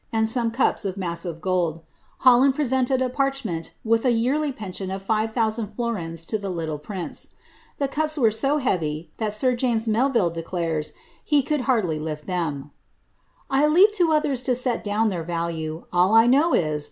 and some cups of massive gold ; Holland presented a parchment "iili s yearlv pcnsiun of five thousand florins to the litde prince. The mi's were' so heavy, that sir James Jlelvdie declares he could liarilly lifi them. ■■ 1 leave to others to set down their value \ ail I know is.